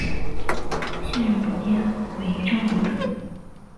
现任主编为张珑正。